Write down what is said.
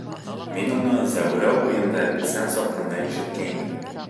Мин уны Зәүрәү буйында бесән сапҡанда ишеткәйнем.